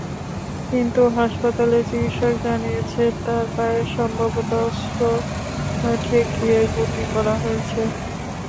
কিন্তু হাসপাতালের চিকিৎসক জানিয়েছেন, তাঁর পায়ে সম্ভবত অস্ত্র ঠেকিয়ে গুলি করা হয়েছে।